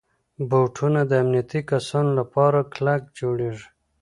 بوټونه د امنیتي کسانو لپاره کلک جوړېږي.